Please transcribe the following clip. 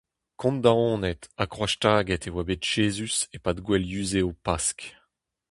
Kondaonet ha kroazstaget e oa bet Jezuz e-pad gouel yuzev Pask.